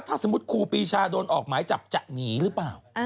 ถ้าสมมุติครูปีชาโดนออกหมายจับจะหนีหรือเปล่า